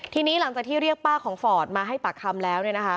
ทีนี้หลังจากที่เรียกป้าของฟอร์ดมาให้ปากคำแล้ว